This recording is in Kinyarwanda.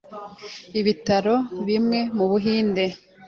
Ibitaro bimwe mu Buhinde